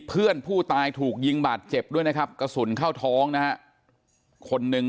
เพื่อนผู้ตายถูกยิงบาดเจ็บด้วยนะครับกระสุนเข้าท้องนะฮะคนหนึ่ง